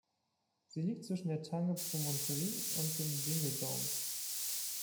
Sie liegt zwischen der Tange Promontory und dem Dingle Dome.